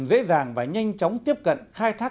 dễ dàng và nhanh chóng tiếp cận khai thác